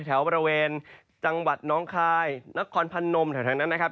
แถวบริเวณจังหวัดน้องคายนครพนมแถวนั้นนะครับ